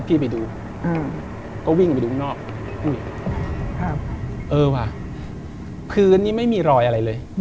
พี่ไปดูก็วิ่งออกมาดูข้างนอกเอ้ยค่ะเออว่าภืนนี่ไม่มีรอยอะไรเลย